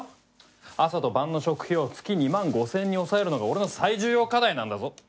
朝と晩の食費を月２万５，０００円に抑えるのが俺の最重要課題なんだぞ！